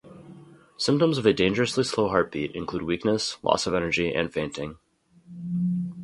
Symptoms of a dangerously slow heartbeat include weakness, loss of energy and fainting.